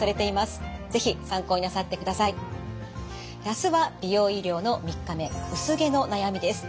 あすは美容医療の３日目薄毛の悩みです。